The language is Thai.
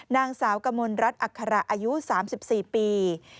นางสาวกมลรัฐอัคระอายุ๓๔ปี